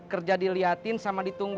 oh malam malam aku ulang